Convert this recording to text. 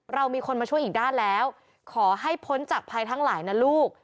เรามีคนมาช่วยอีกด้านแล้วขอให้พ้นจากภัยทั้งหลายนะลูก